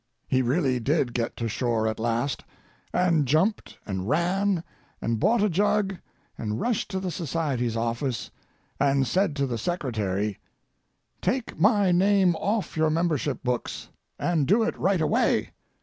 He really did get to shore at last, and jumped and ran and bought a jug and rushed to the society's office, and said to the secretary: "'Take my name off your membership books, and do it right away!